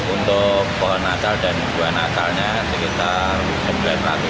untuk pohon natal dan goa natalnya sekitar sembilan ratus an